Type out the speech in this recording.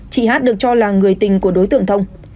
chị hát được cho là người tình của đối tượng thông